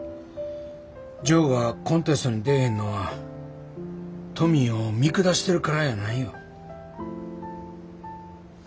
ジョーがコンテストに出えへんのはトミーを見下してるからやないよ。